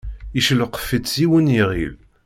Yeccelqef-itt s yiwen n yiɣil.